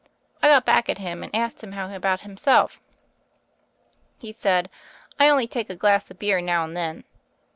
I got back at him, and asked him how about himself. He said, 'I only take a glass of beer now and then.'